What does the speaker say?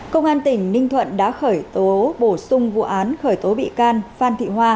công an tỉnh ninh thuận đã khởi tố bổ sung vụ án khởi tố bị can phan thị hoa